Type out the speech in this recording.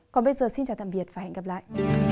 còn bây giờ xin chào tạm biệt và hẹn gặp lại